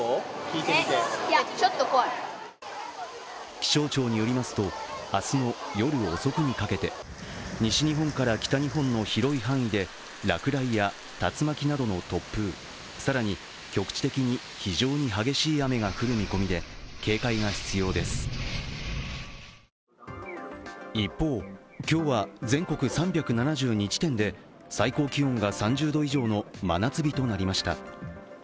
気象庁によりますと明日の夜遅くにかけて西日本から北日本の広い範囲で落雷や竜巻などの突風、更に局地的に非常に激しい雨が降る見込みで警戒が必要です一方、今日は全国３７２地点で最高気温が３０度以上の真夏日となりました。